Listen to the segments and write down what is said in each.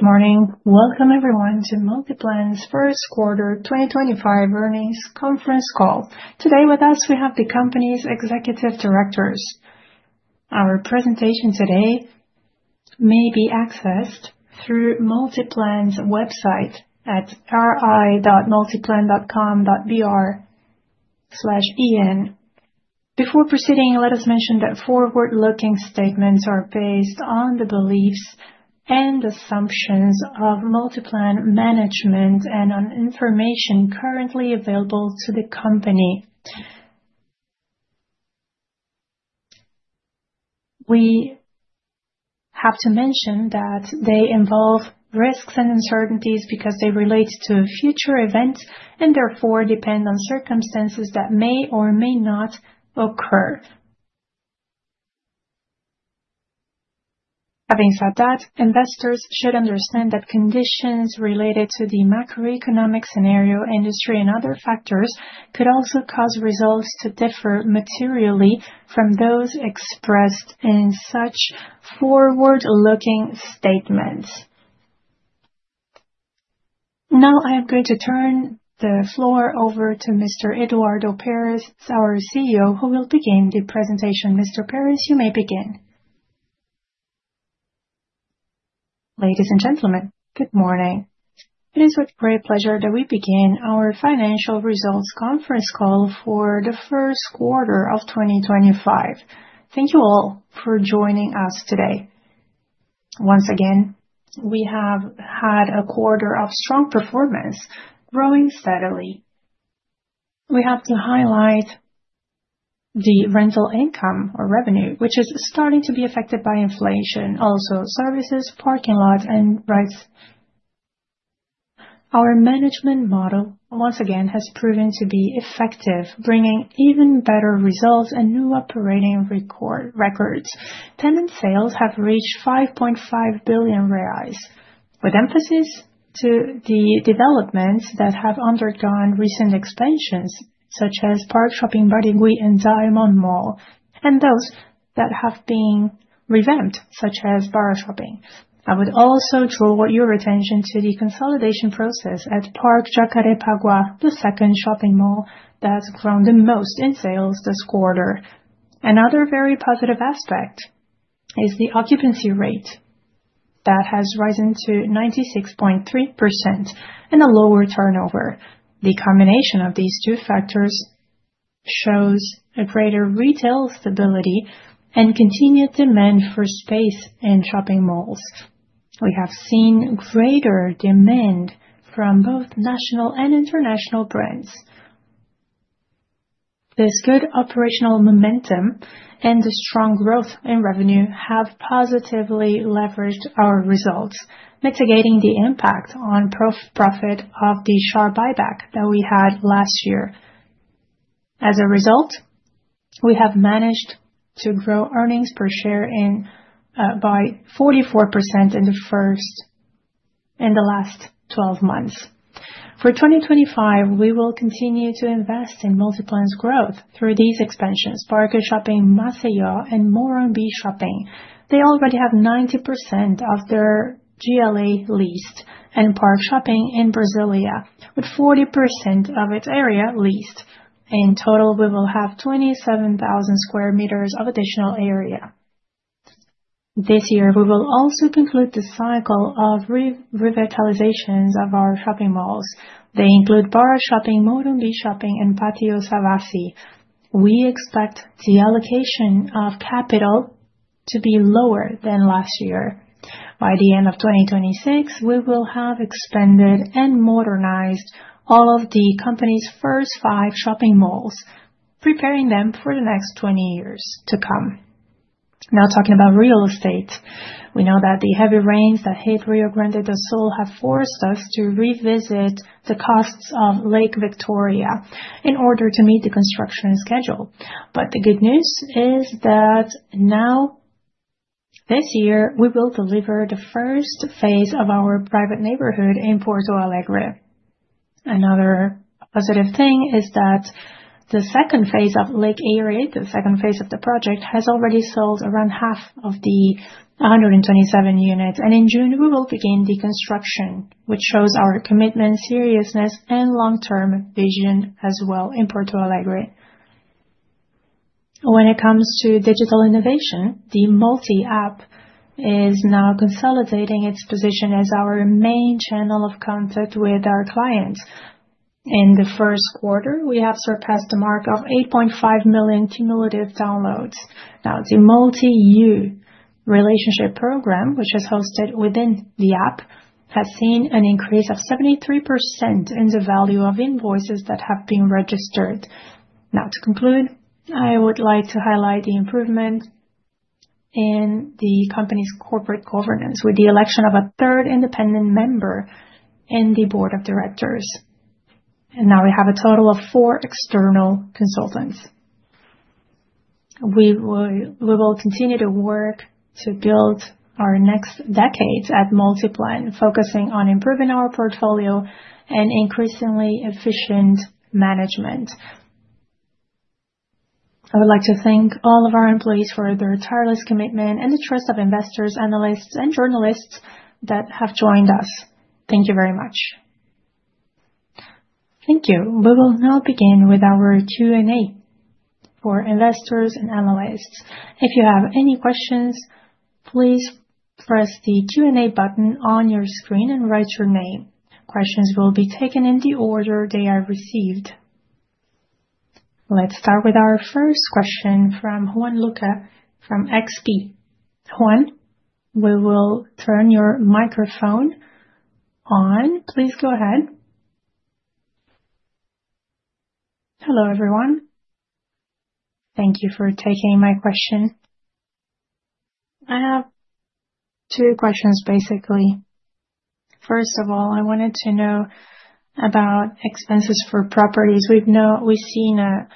Good morning. Welcome, everyone, to Multiplan's First Quarter 2025 Earnings Conference Call. Today with us, we have the company's executive directors. Our presentation today may be accessed through Multiplan's website at ri.multiplan.com.br/en. Before proceeding, let us mention that forward-looking statements are based on the beliefs and assumptions of Multiplan Management and on information currently available to the company. We have to mention that they involve risks and uncertainties because they relate to future events and therefore depend on circumstances that may or may not occur. Having said that, investors should understand that conditions related to the macroeconomic scenario, industry, and other factors could also cause results to differ materially from those expressed in such forward-looking statements. Now, I am going to turn the floor over to Mr. Eduardo Peres, our CEO, who will begin the presentation. Mr. Perez, you may begin. Ladies and gentlemen, good morning. It is with great pleasure that we begin our financial results conference call for the first quarter of 2025. Thank you all for joining us today. Once again, we have had a quarter of strong performance, growing steadily. We have to highlight the rental income or revenue, which is starting to be affected by inflation. Also, services, parking lots, and rights. Our management model, once again, has proven to be effective, bringing even better results and new operating records. Tenant sales have reached 5.5 billion reais, with emphasis to the developments that have undergone recent expansions, such as Park Shopping Barigüi, and DiamondMall, and those that have been revamped, such as BarraShopping. I would also draw your attention to the consolidation process at ParkJacarepaguá, the second shopping mall that's grown the most in sales this quarter. Another very positive aspect is the occupancy rate that has risen to 96.3% and a lower turnover. The combination of these two factors shows a greater retail stability and continued demand for space and shopping malls. We have seen greater demand from both national and international brands. This good operational momentum and the strong growth in revenue have positively leveraged our results, mitigating the impact on profit of the sharp buyback that we had last year. As a result, we have managed to grow earnings per share by 44% in the last 12 months. For 2025, we will continue to invest in Multiplan's growth through these expansions: Parque Shopping Maceió, and Morumbi Shopping. They already have 90% of their GLA leased and ParkShopping in Brasília, with 40% of its area leased. In total, we will have 27,000 square meters of additional area. This year, we will also conclude the cycle of revitalizations of our shopping malls. They include BarraShopping, Morumbi Shopping, and Pátio Savassi. We expect the allocation of capital to be lower than last year. By the end of 2026, we will have expanded and modernized all of the company's first five shopping malls, preparing them for the next 20 years to come. Now, talking about real estate, we know that the heavy rains that hit Rio Grande do Sul have forced us to revisit the costs of Lake Victoria in order to meet the construction schedule. The good news is that now, this year, we will deliver the first phase of our private neighborhood in Porto Alegre. Another positive thing is that the second phase of Golden Lake, the second phase of the project, has already sold around half of the 127 units. In June, we will begin the construction, which shows our commitment, seriousness, and long-term vision as well in Porto Alegre. When it comes to digital innovation, the Multi App is now consolidating its position as our main channel of contact with our clients. In the first quarter, we have surpassed the mark of 8.5 million cumulative downloads. The Multi-U relationship program, which is hosted within the app, has seen an increase of 73% in the value of invoices that have been registered. To conclude, I would like to highlight the improvement in the company's corporate governance with the election of a third independent member in the board of directors. Now we have a total of four external consultants. We will continue to work to build our next decades at Multiplan, focusing on improving our portfolio and increasingly efficient management. I would like to thank all of our employees for their tireless commitment and the trust of investors, analysts, and journalists that have joined us. Thank you very much. Thank you. We will now begin with our Q&A for investors and analysts. If you have any questions, please press the Q&A button on your screen and write your name. Questions will be taken in the order they are received. Let's start with our first question from Juan Luca from XP Investimentos. Juan, we will turn your microphone on. Please go ahead. Hello, everyone. Thank you for taking my question. I have two questions, basically. First of all, I wanted to know about expenses for properties. We've seen a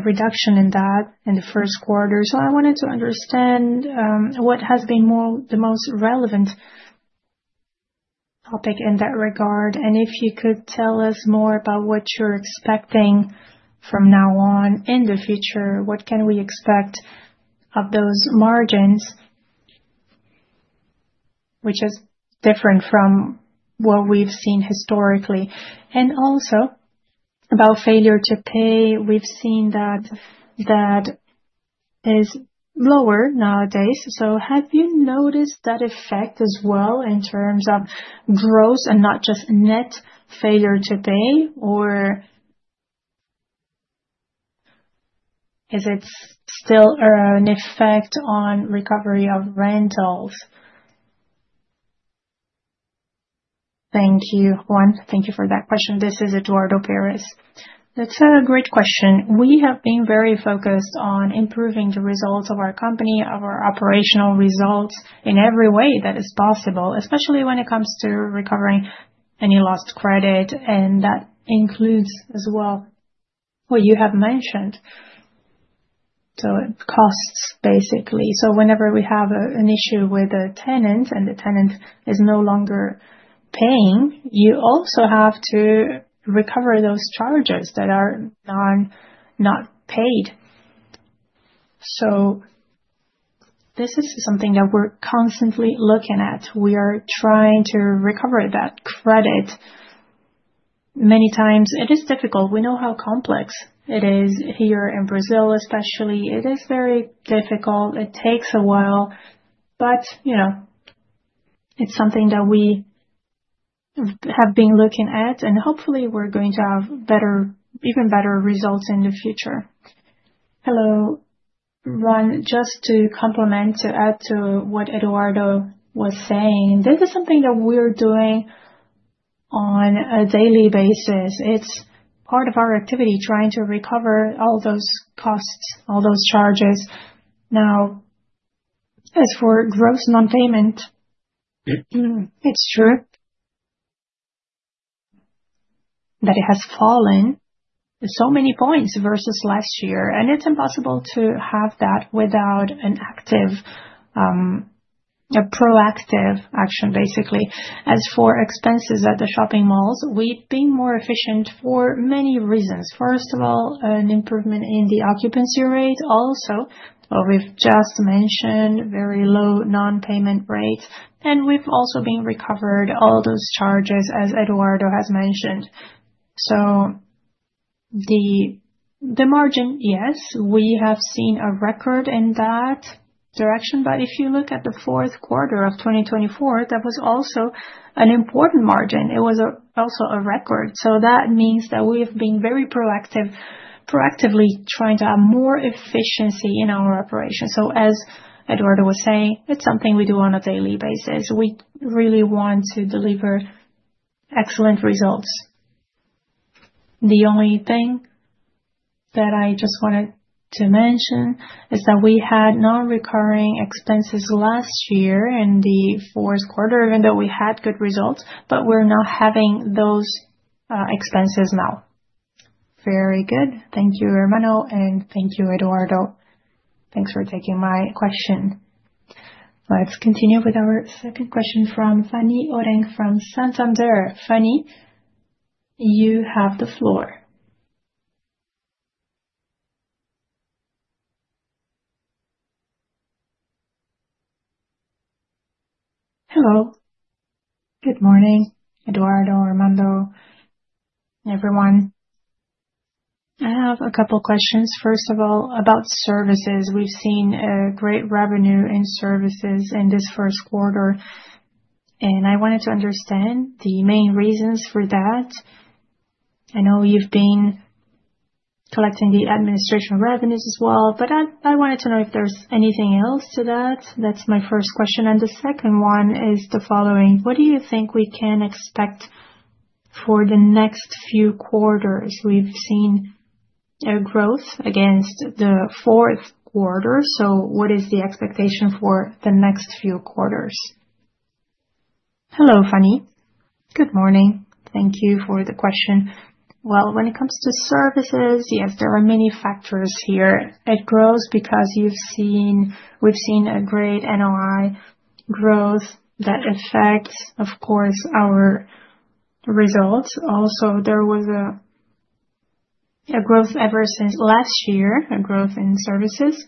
reduction in that in the first quarter, so I wanted to understand what has been the most relevant topic in that regard. If you could tell us more about what you're expecting from now on in the future, what can we expect of those margins, which is different from what we've seen historically? Also about failure to pay, we've seen that that is lower nowadays. Have you noticed that effect as well in terms of growth and not just net failure to pay, or is it still an effect on recovery of rentals? Thank you, Juan. Thank you for that question. This is Eduardo Perez. That's a great question. We have been very focused on improving the results of our company, our operational results in every way that is possible, especially when it comes to recovering any lost credit, and that includes as well what you have mentioned. Costs, basically. Whenever we have an issue with a tenant and the tenant is no longer paying, you also have to recover those charges that are not paid. This is something that we're constantly looking at. We are trying to recover that credit. Many times, it is difficult. We know how complex it is here in Brazil, especially. It is very difficult. It takes a while, but you know it's something that we have been looking at, and hopefully, we're going to have better, even better results in the future. Hello, Juan. Just to complement, to add to what Eduardo was saying, this is something that we're doing on a daily basis. It's part of our activity, trying to recover all those costs, all those charges. Now, as for gross non-payment, it's true that it has fallen so many points versus last year, and it's impossible to have that without an active, a proactive action, basically. As for expenses at the shopping malls, we've been more efficient for many reasons. First of all, an improvement in the occupancy rate. Also, we've just mentioned very low non-payment rates, and we've also been recovering all those charges, as Eduardo has mentioned. The margin, yes, we have seen a record in that direction, but if you look at the fourth quarter of 2024, that was also an important margin. It was also a record. That means that we have been very proactively trying to have more efficiency in our operation. As Eduardo was saying, it's something we do on a daily basis. We really want to deliver excellent results. The only thing that I just wanted to mention is that we had non-recurring expenses last year in the fourth quarter, even though we had good results, but we're not having those expenses now. Very good. Thank you, Armando, and thank you, Eduardo. Thanks for taking my question. Let's continue with our second question from Fanny Oreng from Santander. Fanny, you have the floor. Hello. Good morning, Eduardo, Armando, everyone. I have a couple of questions. First of all, about services. We've seen a great revenue in services in this first quarter, and I wanted to understand the main reasons for that. I know you've been collecting the administration revenues as well, but I wanted to know if there's anything else to that. That's my first question. The second one is the following. What do you think we can expect for the next few quarters? We've seen a growth against the fourth quarter. What is the expectation for the next few quarters? Hello, Fanny. Good morning. Thank you for the question. When it comes to services, yes, there are many factors here. It grows because we've seen a great NOI growth that affects, of course, our results. Also, there was a growth ever since last year, a growth in services.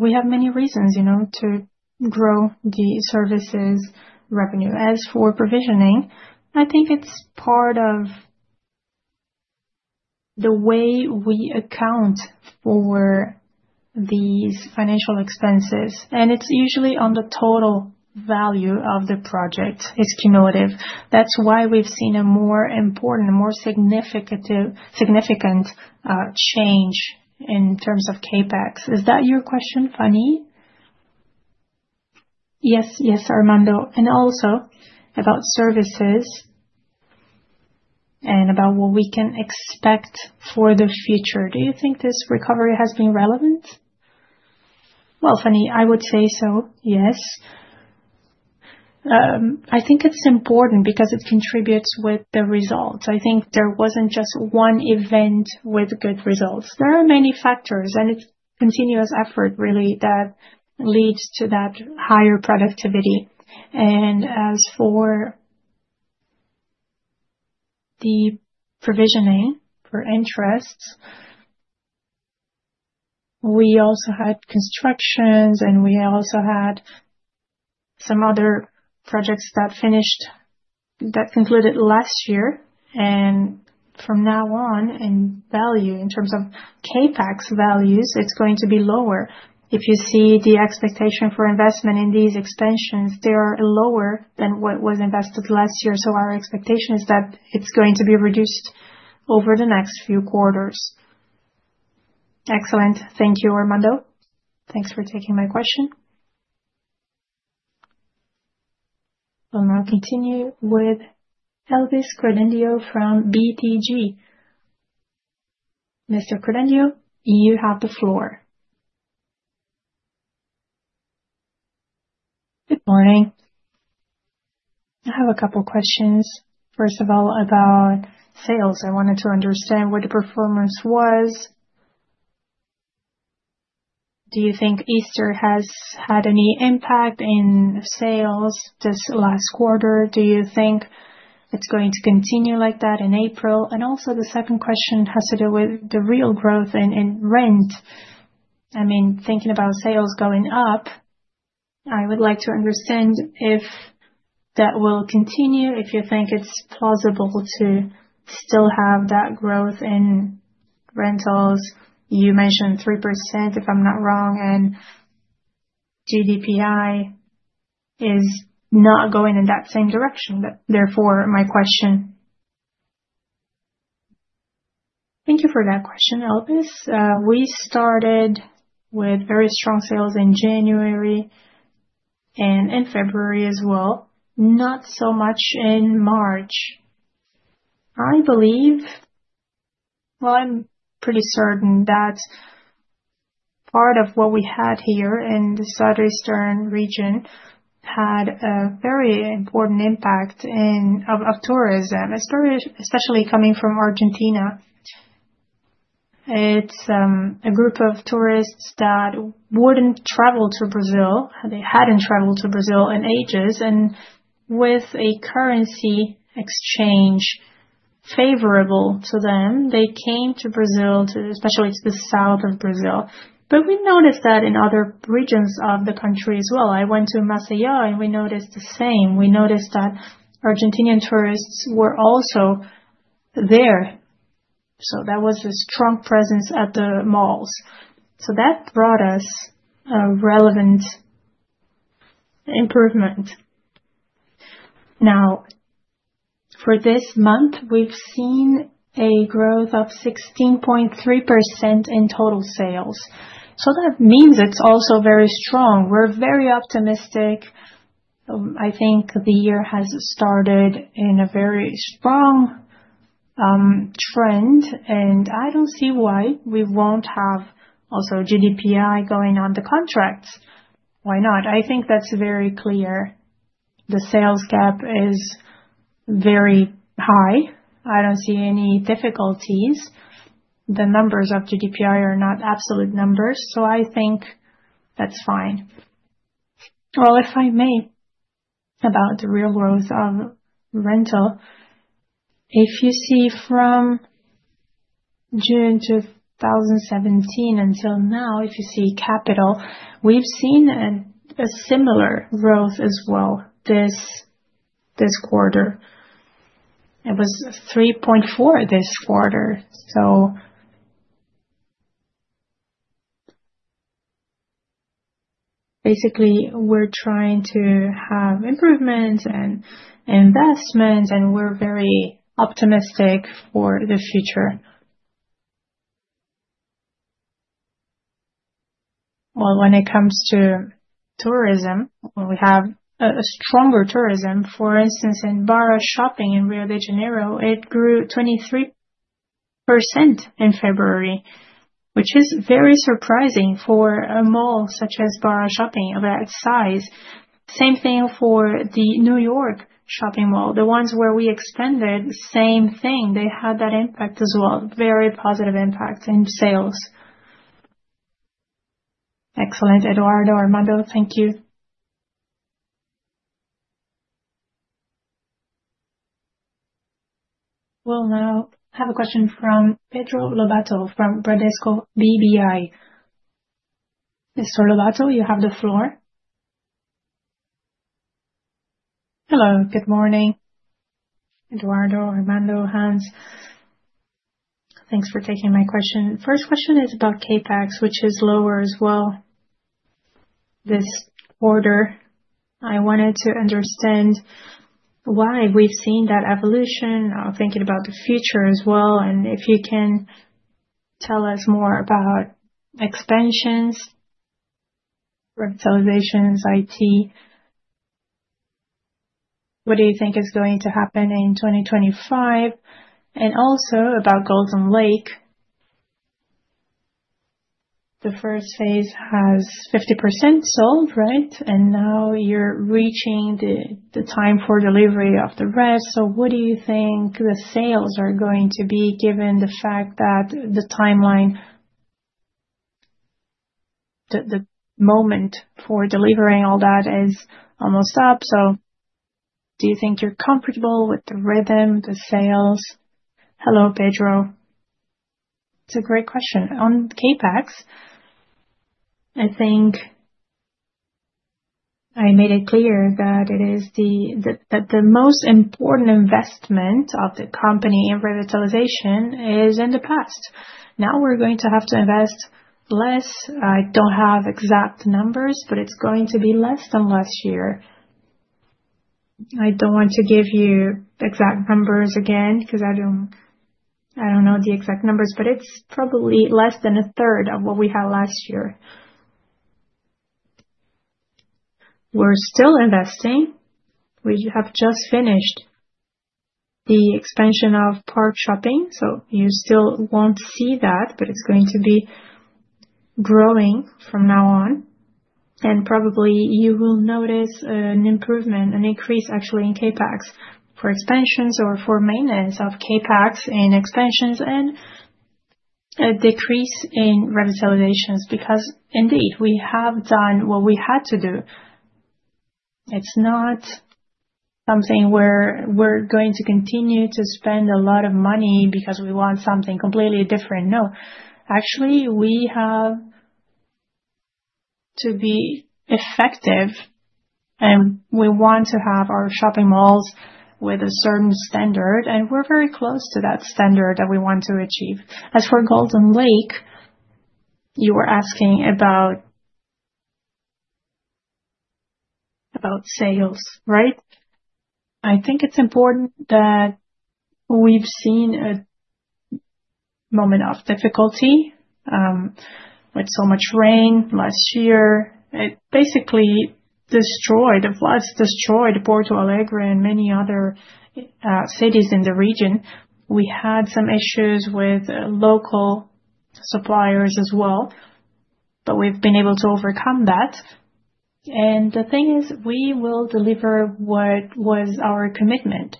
We have many reasons, you know, to grow the services revenue. As for provisioning, I think it's part of the way we account for these financial expenses, and it's usually on the total value of the project. It's cumulative. That's why we've seen a more important, more significant change in terms of CapEx. Is that your question, Fanny? Yes, yes, Armando. Also about services and about what we can expect for the future. Do you think this recovery has been relevant? Fanny, I would say so, yes. I think it's important because it contributes with the results. I think there wasn't just one event with good results. There are many factors, and it's continuous effort, really, that leads to that higher productivity. As for the provisioning for interests, we also had constructions, and we also had some other projects that concluded last year. From now on, in value, in terms of CapEx values, it's going to be lower. If you see the expectation for investment in these expansions, they are lower than what was invested last year. Our expectation is that it's going to be reduced over the next few quarters. Excellent. Thank you, Armando. Thanks for taking my question. We'll now continue with Elvis Credendio from BTG. Mr. Credendio, you have the floor. Good morning. I have a couple of questions. First of all, about sales. I wanted to understand what the performance was. Do you think Easter has had any impact in sales this last quarter? Do you think it's going to continue like that in April? Also, the second question has to do with the real growth in rent. I mean, thinking about sales going up, I would like to understand if that will continue, if you think it's plausible to still have that growth in rentals. You mentioned 3%, if I'm not wrong, and GDPI is not going in that same direction. Therefore, my question. Thank you for that question, Elvis. We started with very strong sales in January and in February as well, not so much in March. I believe, I'm pretty certain that part of what we had here in the Southeastern region had a very important impact of tourism, especially coming from Argentina. It's a group of tourists that wouldn't travel to Brazil. They hadn't traveled to Brazil in ages. With a currency exchange favorable to them, they came to Brazil, especially to the south of Brazil. We noticed that in other regions of the country as well. I went to Maceió, and we noticed the same. We noticed that Argentinian tourists were also there. That was a strong presence at the malls. That brought us a relevant improvement. Now, for this month, we've seen a growth of 16.3% in total sales. That means it's also very strong. We're very optimistic. I think the year has started in a very strong trend, and I don't see why we won't have also GDPI going on the contracts. Why not? I think that's very clear. The sales gap is very high. I don't see any difficulties. The numbers of GDPI are not absolute numbers, so I think that's fine. If I may, about the real growth of rental, if you see from June 2017 until now, if you see capital, we've seen a similar growth as well this quarter. It was 3.4 this quarter. Basically, we're trying to have improvements and investments, and we're very optimistic for the future. When it comes to tourism, we have a stronger tourism. For instance, in Barra Shopping in Rio de Janeiro, it grew 23% in February, which is very surprising for a mall such as Barra Shopping of that size. Same thing for the New York Shopping Mall, the ones where we expanded, same thing. They had that impact as well, very positive impact in sales. Excellent, Eduardo, Armando, thank you. We'll now have a question from Pedro Lobato from Bradesco BBI. Mr. Lobato, you have the floor. Hello, good morning. Eduardo, Armando, Hans, thanks for taking my question. First question is about CapEx, which is lower as well this quarter. I wanted to understand why we've seen that evolution, thinking about the future as well. If you can tell us more about expansions, revitalizations, IT, what do you think is going to happen in 2025? Also about Golden Lake. The first phase has 50% sold, right? Now you're reaching the time for delivery of the rest. What do you think the sales are going to be given the fact that the timeline, the moment for delivering all that is almost up? Do you think you're comfortable with the rhythm, the sales? Hello, Pedro. It's a great question. On CapEx, I think I made it clear that it is the most important investment of the company in revitalization is in the past. Now we're going to have to invest less. I don't have exact numbers, but it's going to be less than last year. I don't want to give you exact numbers again because I don't know the exact numbers, but it's probably less than a third of what we had last year. We're still investing. We have just finished the expansion of Park Shopping. You still won't see that, but it's going to be growing from now on. You will probably notice an improvement, an increase actually in CapEx for expansions or for maintenance of CapEx in expansions and a decrease in revitalizations because indeed we have done what we had to do. It is not something where we are going to continue to spend a lot of money because we want something completely different. No, actually we have to be effective, and we want to have our shopping malls with a certain standard, and we are very close to that standard that we want to achieve. As for Golden Lake, you were asking about sales, right? I think it is important that we have seen a moment of difficulty with so much rain last year. It basically destroyed Porto Alegre and many other cities in the region. We had some issues with local suppliers as well, but we have been able to overcome that. The thing is we will deliver what was our commitment.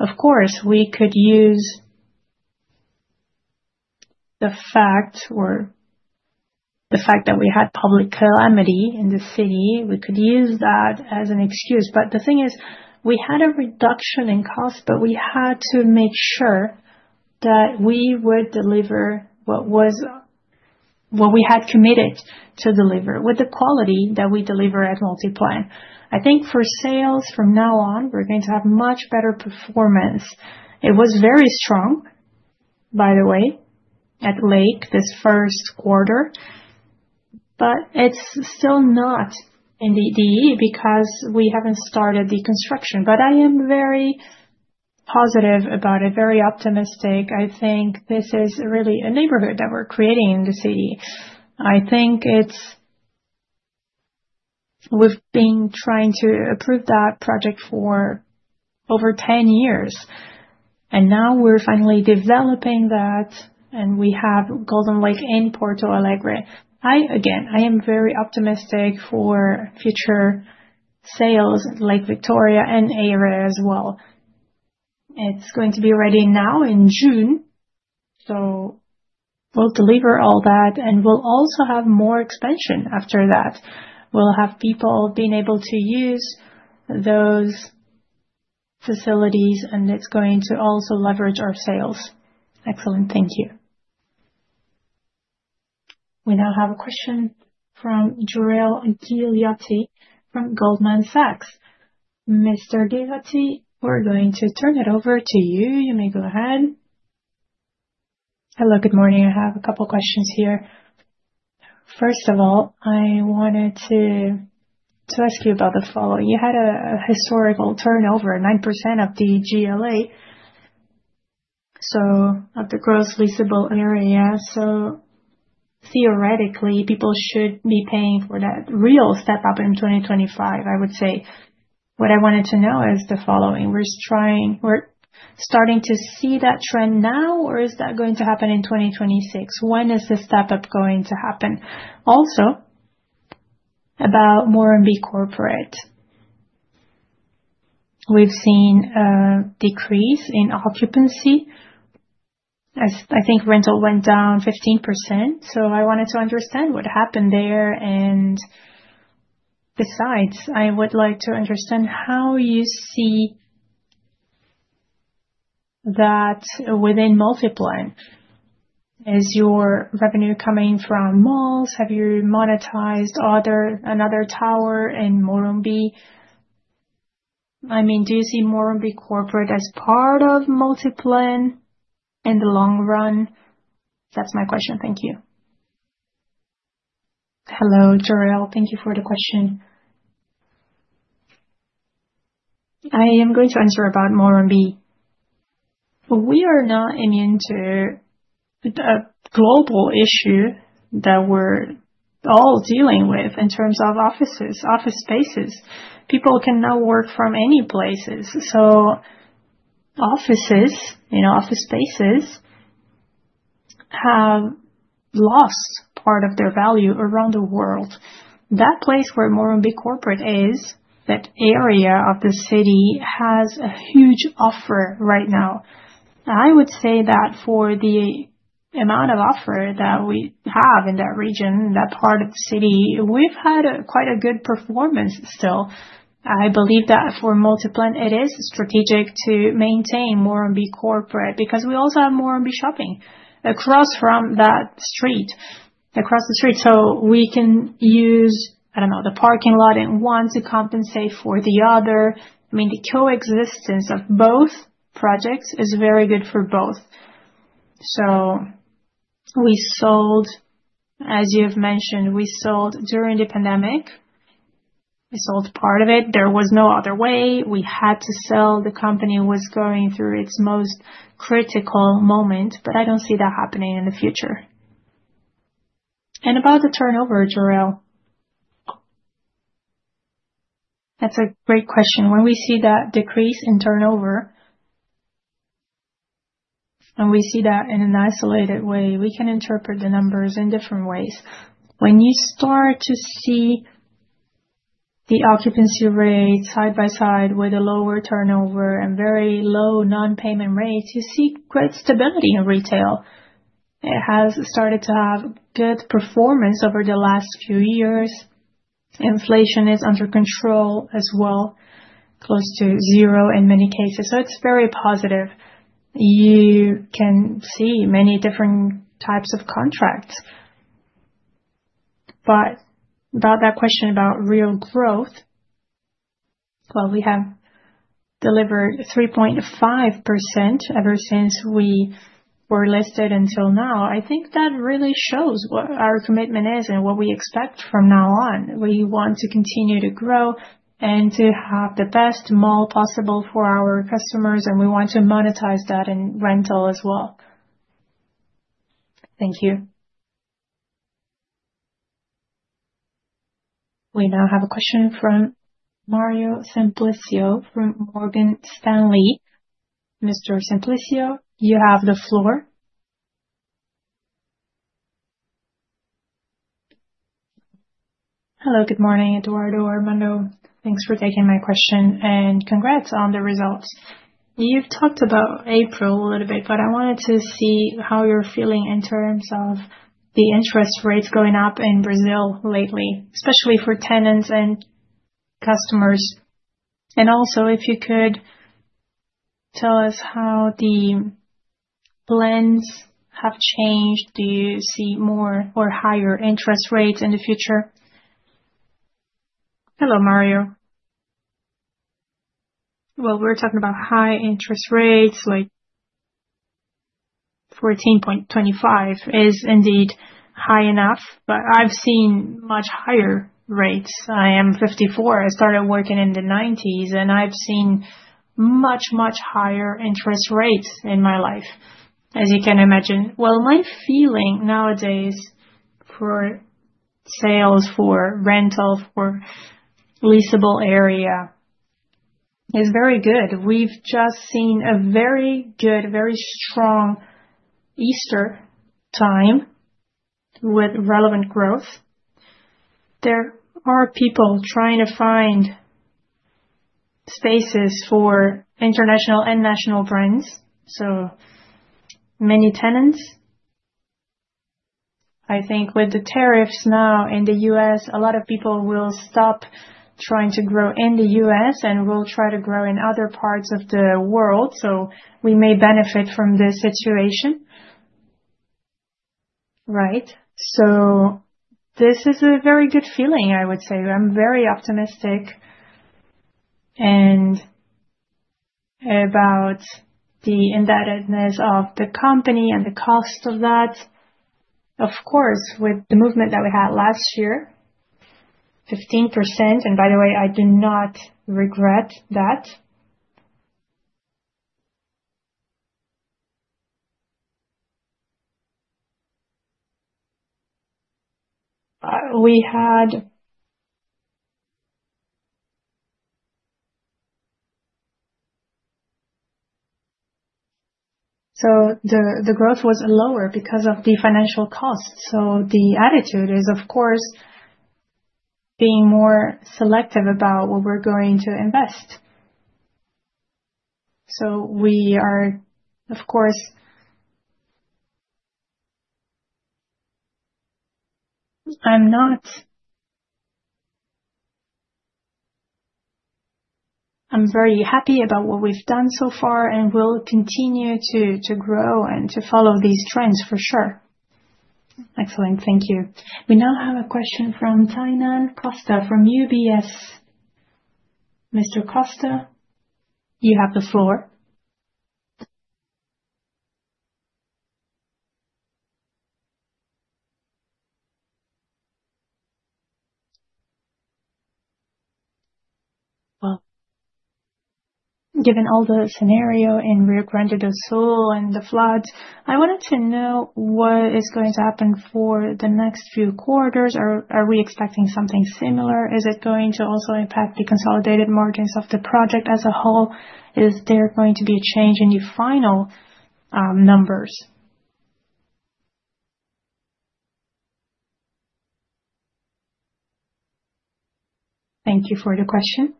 Of course, we could use the fact that we had public calamity in the city. We could use that as an excuse. The thing is we had a reduction in costs, but we had to make sure that we would deliver what we had committed to deliver with the quality that we deliver at Multiplan. I think for sales from now on, we're going to have much better performance. It was very strong, by the way, at Lake this first quarter, but it's still not in the DE because we haven't started the construction. I am very positive about it, very optimistic. I think this is really a neighborhood that we're creating in the city. I think we've been trying to approve that project for over 10 years, and now we're finally developing that, and we have Golden Lake in Porto Alegre. Again, I am very optimistic for future sales like Victoria and Area as well. It's going to be ready now in June. We will deliver all that, and we will also have more expansion after that. We will have people being able to use those facilities, and it's going to also leverage our sales. Excellent, thank you. We now have a question from Jorel Guilloty from Goldman Sachs. Mr. Guilloty, we're going to turn it over to you. You may go ahead. Hello, good morning. I have a couple of questions here. First of all, I wanted to ask you about the following. You had a historical turnover, 9% of the GLA, so of the gross leasable area. Theoretically, people should be paying for that real step-up in 2025, I would say. What I wanted to know is the following. We're starting to see that trend now, or is that going to happen in 2026? When is the step-up going to happen? Also, about Morumbi Corporate. We've seen a decrease in occupancy. I think rental went down 15%. I wanted to understand what happened there. Besides, I would like to understand how you see that within Multiplan. Is your revenue coming from malls? Have you monetized another tower in Morumbi? I mean, do you see Morumbi Corporate as part of Multiplan in the long run? That's my question. Thank you. Hello, Jorel. Thank you for the question. I am going to answer about Morumbi. We are not immune to a global issue that we're all dealing with in terms of offices, office spaces. People can now work from any places. So offices, you know, office spaces have lost part of their value around the world. That place where Morumbi Corporate is, that area of the city has a huge offer right now. I would say that for the amount of offer that we have in that region, that part of the city, we've had quite a good performance still. I believe that for Multiplan, it is strategic to maintain Morumbi Corporate because we also have Morumbi Shopping across from that street, across the street. You know, we can use, I don't know, the parking lot and one to compensate for the other. I mean, the coexistence of both projects is very good for both. We sold, as you've mentioned, we sold during the pandemic. We sold part of it. There was no other way. We had to sell. The company was going through its most critical moment. I don't see that happening in the future. About the turnover, Jorel, that's a great question. When we see that decrease in turnover, and we see that in an isolated way, we can interpret the numbers in different ways. When you start to see the occupancy rate side by side with a lower turnover and very low non-payment rates, you see great stability in retail. It has started to have good performance over the last few years. Inflation is under control as well, close to zero in many cases. It is very positive. You can see many different types of contracts. About that question about real growth, we have delivered 3.5% ever since we were listed until now. I think that really shows what our commitment is and what we expect from now on. We want to continue to grow and to have the best mall possible for our customers, and we want to monetize that in rental as well. Thank you. We now have a question from Mario Simplicio from Morgan Stanley. Mr. Simplicio, you have the floor. Hello, good morning, Eduardo, Armando. Thanks for taking my question and congrats on the results. You've talked about April a little bit, but I wanted to see how you're feeling in terms of the interest rates going up in Brazil lately, especially for tenants and customers. Also, if you could tell us how the blends have changed, do you see more or higher interest rates in the future? Hello, Mario. We're talking about high interest rates, like 14.25 is indeed high enough, but I've seen much higher rates. I am 54. I started working in the 1990s, and I've seen much, much higher interest rates in my life, as you can imagine. My feeling nowadays for sales, for rental, for leasable area is very good. We've just seen a very good, very strong Easter time with relevant growth. There are people trying to find spaces for international and national brands. So many tenants. I think with the tariffs now in the U.S., a lot of people will stop trying to grow in the U.S. and will try to grow in other parts of the world. We may benefit from this situation. Right? This is a very good feeling, I would say. I'm very optimistic. About the indebtedness of the company and the cost of that, of course, with the movement that we had last year, 15%. By the way, I do not regret that. We had. The growth was lower because of the financial cost. The attitude is, of course, being more selective about what we're going to invest. We are, of course. I'm not. I'm very happy about what we've done so far and will continue to grow and to follow these trends for sure. Excellent. Thank you. We now have a question from Tainan Costa from UBS. Mr. Costa, you have the floor. Given all the scenario in Rio Grande do Sul and the floods, I wanted to know what is going to happen for the next few quarters. Are we expecting something similar? Is it going to also impact the consolidated margins of the project as a whole? Is there going to be a change in the final numbers? Thank you for the question.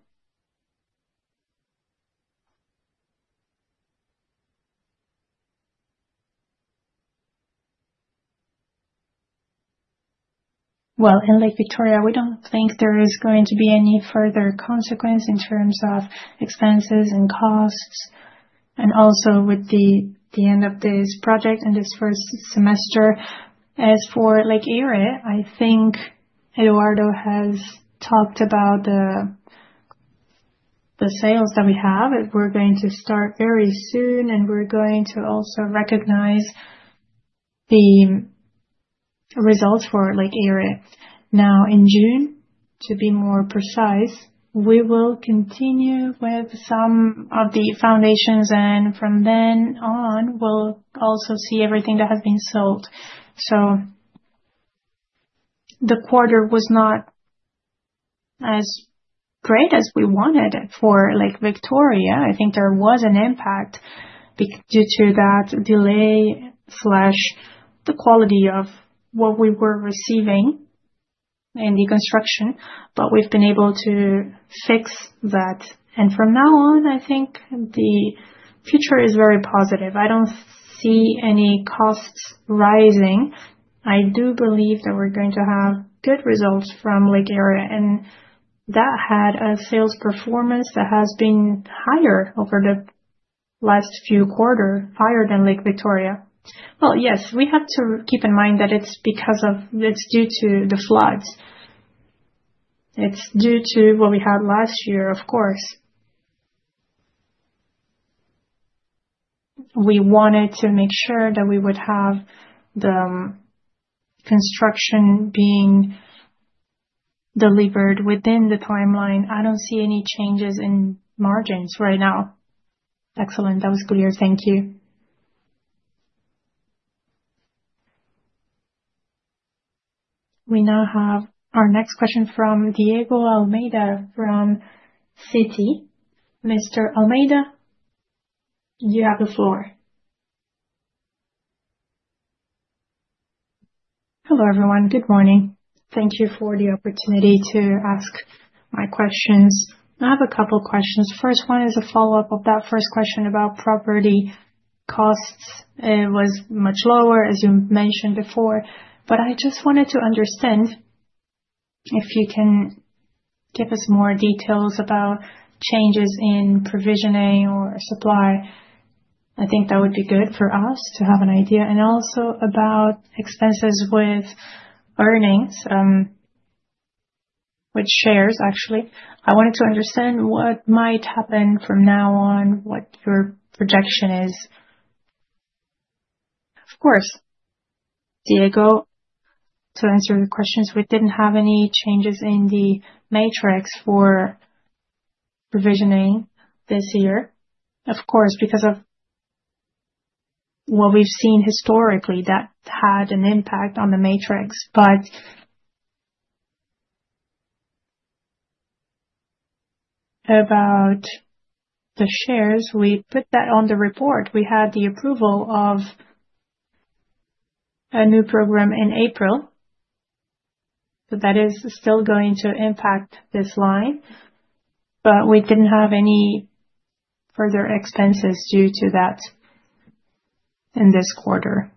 In Lake Victoria, we do not think there is going to be any further consequence in terms of expenses and costs. Also with the end of this project and this first semester, as for Lake Eyre, I think Eduardo has talked about the sales that we have. We are going to start very soon, and we are going to also recognize the results for Lake Eyre. Now, in June, to be more precise, we will continue with some of the foundations, and from then on, we will also see everything that has been sold. The quarter was not as great as we wanted for Lake Victoria. I think there was an impact due to that delay, the quality of what we were receiving in the construction, but we've been able to fix that. From now on, I think the future is very positive. I don't see any costs rising. I do believe that we're going to have good results from Lake Eyre, and that had a sales performance that has been higher over the last few quarters, higher than Lake Victoria. Yes, we have to keep in mind that it's because of, it's due to the floods. It's due to what we had last year, of course. We wanted to make sure that we would have the construction being delivered within the timeline. I don't see any changes in margins right now. Excellent. That was clear. Thank you. We now have our next question from Diego Almeida from Citi. Mr. Almeida, you have the floor. Hello everyone. Good morning. Thank you for the opportunity to ask my questions. I have a couple of questions. First one is a follow-up of that first question about property costs. It was much lower, as you mentioned before, but I just wanted to understand if you can give us more details about changes in provisioning or supply. I think that would be good for us to have an idea. Also about expenses with earnings, with shares, actually. I wanted to understand what might happen from now on, what your projection is. Of course. Diego, to answer the questions, we did not have any changes in the matrix for provisioning this year. Of course, because of what we have seen historically, that had an impact on the matrix. About the shares, we put that on the report. We had the approval of a new program in April. That is still going to impact this line, but we did not have any further expenses due to that in this quarter.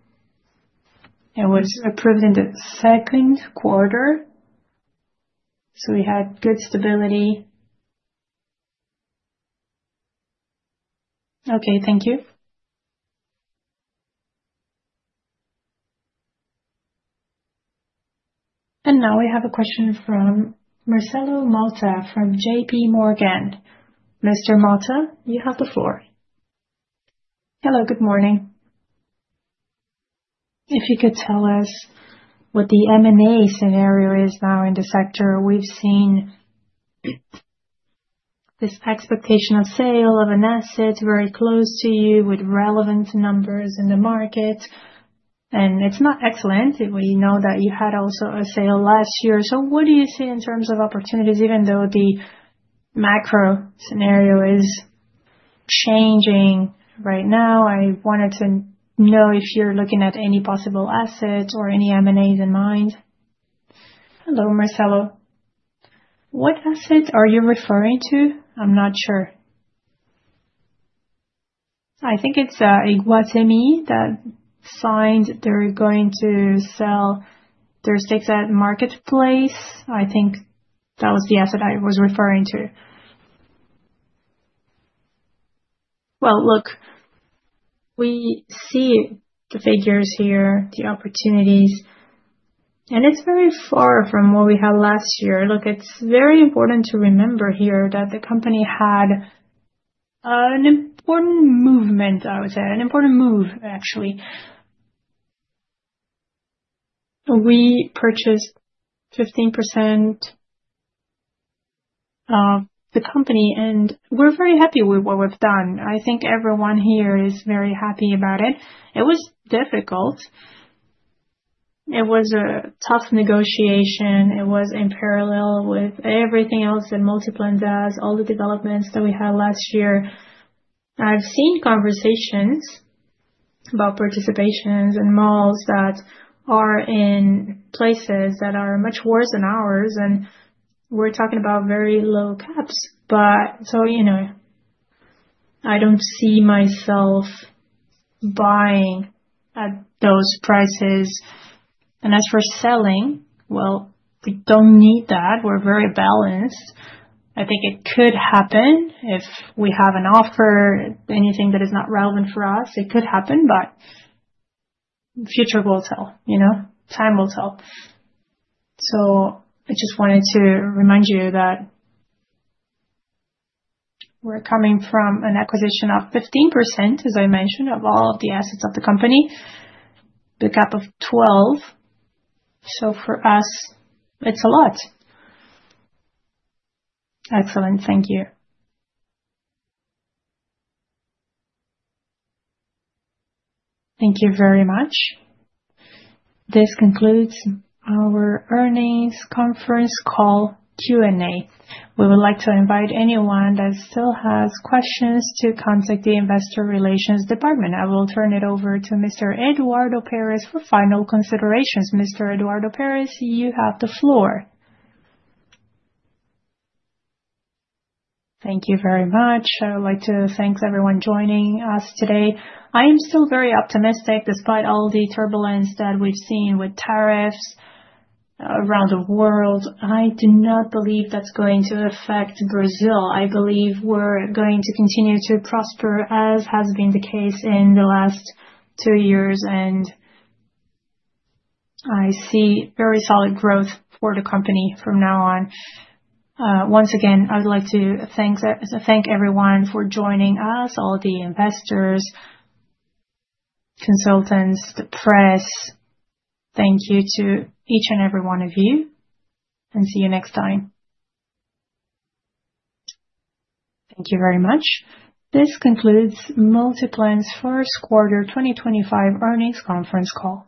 It was approved in the second quarter, so we had good stability. Okay, thank you. Now we have a question from Marcelo Motta from JP Morgan. Mr. Malta, you have the floor. Hello, good morning. If you could tell us what the M&A scenario is now in the sector, we have seen this expectation of sale of an asset very close to you with relevant numbers in the market. It is not excellent. We know that you had also a sale last year. What do you see in terms of opportunities, even though the macro scenario is changing right now? I wanted to know if you are looking at any possible assets or any M&As in mind. Hello, Marcelo. What asset are you referring to? I am not sure. I think it's Iguatemi that signed they're going to sell their stakes at Marketplace. I think that was the asset I was referring to. Look, we see the figures here, the opportunities, and it's very far from what we had last year. It's very important to remember here that the company had an important movement, I would say, an important move, actually. We purchased 15% of the company, and we're very happy with what we've done. I think everyone here is very happy about it. It was difficult. It was a tough negotiation. It was in parallel with everything else that Multiplan does, all the developments that we had last year. I've seen conversations about participations and malls that are in places that are much worse than ours, and we're talking about very low caps. You know, I don't see myself buying at those prices. As for selling, we do not need that. We are very balanced. I think it could happen if we have an offer, anything that is not relevant for us, it could happen, but future will tell. You know, time will tell. I just wanted to remind you that we are coming from an acquisition of 15%, as I mentioned, of all of the assets of the company, the cap of 12. For us, it is a lot. Excellent. Thank you. Thank you very much. This concludes our earnings conference call Q&A. We would like to invite anyone that still has questions to contact the Investor Relations Department. I will turn it over to Mr. Eduardo Peres for final considerations. Mr. Eduardo Peres, you have the floor. Thank you very much. I would like to thank everyone joining us today. I am still very optimistic despite all the turbulence that we've seen with tariffs around the world. I do not believe that's going to affect Brazil. I believe we're going to continue to prosper, as has been the case in the last two years, and I see very solid growth for the company from now on. Once again, I would like to thank everyone for joining us, all the investors, consultants, the press. Thank you to each and every one of you, and see you next time. Thank you very much. This concludes Multiplan's first quarter 2025 earnings conference call.